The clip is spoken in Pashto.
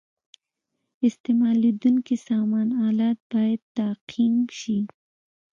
استعمالیدونکي سامان آلات باید تعقیم شي.